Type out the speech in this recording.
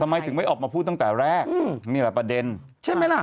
ทำไมถึงไม่ออกมาพูดตั้งแต่แรกนี่แหละประเด็นใช่ไหมล่ะ